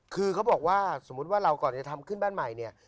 คือเขาบอกว่าสมมุติว่าเราก่อนจะทำขึ้นบ้านใหม่เนี่ย